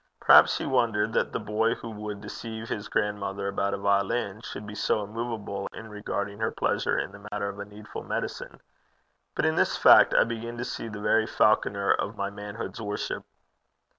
Perhaps she wondered that the boy who would deceive his grandmother about a violin should be so immovable in regarding her pleasure in the matter of a needful medicine. But in this fact I begin to see the very Falconer of my manhood's worship.